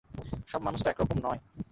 সব মানুষ তো এক রকম নয়!